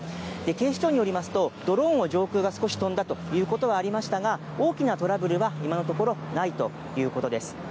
警視庁によりますと、ドローンを上空が少し飛んだということはありましたが、大きなトラブルは今のところないということです。